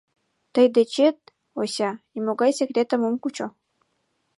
— Тый дечет, Ося, нимогай секретым ом кучо.